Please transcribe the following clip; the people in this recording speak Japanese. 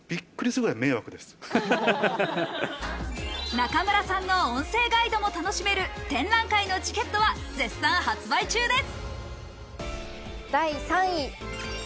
中村さんの音声ガイドも楽しめる展覧会のチケットは絶賛発売中です。